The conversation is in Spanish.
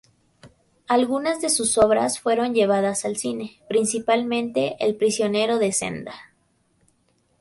Algunas de sus obras fueron llevadas al cine, principalmente "El prisionero de Zenda".